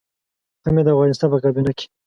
هم يې د افغانستان په کابينه کې.